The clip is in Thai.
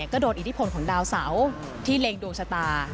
ก็โดดอินิปนด์ของดาวเสาร์ที่เลงดวงชะตา